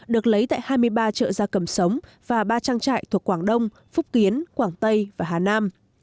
được lấy tại hai mươi ba chợ gia cầm sống và ba trang trại thuộc quảng đông phúc kiến quảng tây và hà nam